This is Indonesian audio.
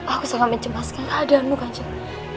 aku sangat mencemaskan adianmu kanjeng